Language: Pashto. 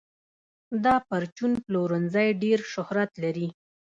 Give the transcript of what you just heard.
دا پرچون پلورنځی ډېر شهرت لري.